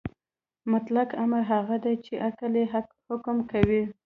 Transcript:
مطلق امر هغه څه دی چې عقل یې حکم کوي.